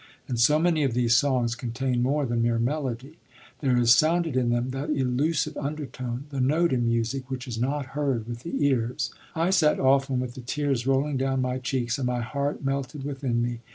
And so many of these songs contain more than mere melody; there is sounded in them that elusive undertone, the note in music which is not heard with the ears. I sat often with the tears rolling down my cheeks and my heart melted within me.